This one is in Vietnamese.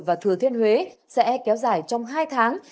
và thừa thiên huế sẽ kéo dài trong hai tháng